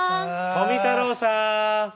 富太郎さん。